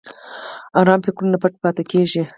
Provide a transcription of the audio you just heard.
ارام فکرونه پټ پاتې کېږي.